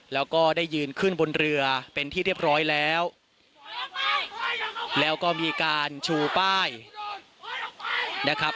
แล้วก็ได้ยืนขึ้นบนเรือเป็นที่เรียบร้อยแล้วแล้วก็มีการชูป้ายนะครับ